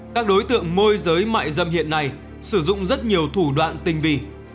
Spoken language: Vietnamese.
các đối tượng môi giới mại dâm hiện nay sử dụng rất nhiều thủ đoạn tinh vi